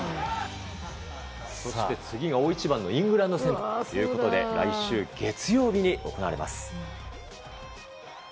そして次が大一番のイングランド戦ということで来週月曜日に行われます。